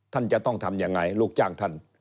ท่านจะต้องทำยังไงลูกจ้างท่าน